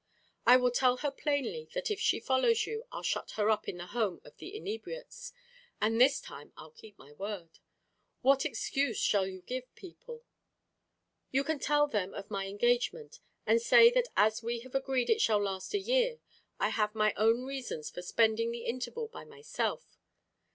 "I will tell her plainly that if she follows you, I'll shut her up in the Home of the Inebriates; and this time I'll keep my word. What excuse shall you give people?" "You can tell them of my engagement, and say that as we have agreed it shall last a year, I have my own reasons for spending the interval by myself.